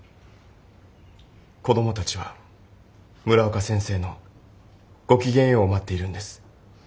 子どもたちは村岡先生の「ごきげんよう」を待っているんです。